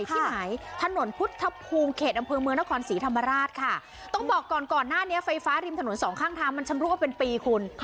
ที่ไหนถนนพุทธภูมิเขตอำเภอเมืองนครศรีธรรมราชค่ะต้องบอกก่อนก่อนหน้านี้ไฟฟ้าริมถนนสองข้างทางมันชำรุดเป็นปีคุณ